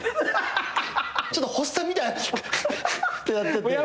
ちょっと発作みたいにってなってて。